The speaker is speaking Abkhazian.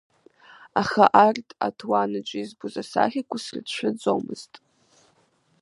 Аха арҭ аҭуанаҿ избоз асахьақәа срыцәшәаӡомызт.